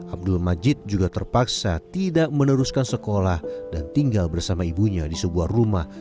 abdul majid juga terpaksa tidak meneruskan sekolah dan tinggal bersama ibunya di sebuah rumah